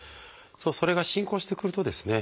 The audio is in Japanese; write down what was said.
それが進行してくるとですね